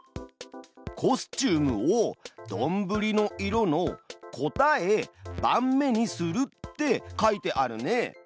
「コスチュームをどんぶりの色の『答え』番目にする」って書いてあるね。